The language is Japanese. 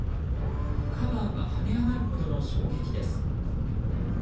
カバーが跳ね上がるほどの衝撃です。